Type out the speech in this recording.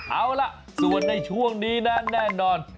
เอาล่ะส่วนในช่วงนี้นะแน่นอน